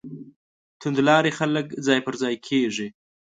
توندلاري خلک ځای پر ځای کېږي.